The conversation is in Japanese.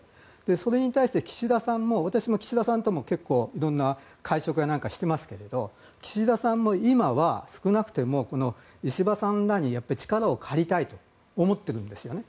それに対して岸田さんは私も岸田さんともいろんな会食やなんかしてますけれど岸田さんも今は少なくとも石破さんらに力を借りたいと思ってるんですね。